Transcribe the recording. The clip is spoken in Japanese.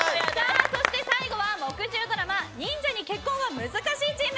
そして最後は木１０ドラマ忍者に結婚は難しいチーム。